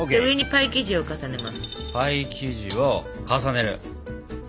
パイ生地を重ねる。